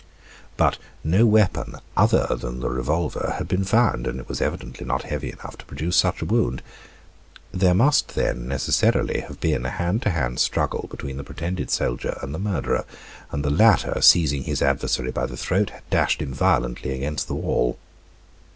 But no weapon, other than the revolver, had been found; and it was evidently not heavy enough to produce such a wound. There must, then, necessarily, have been a hand to hand struggle between the pretended soldier and the murderer; and the latter, seizing his adversary by the throat, had dashed him violently against the wall.